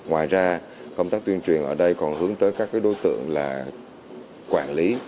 ngoài ra công tác tuyên truyền ở đây còn hướng tới các đối tượng là quản lý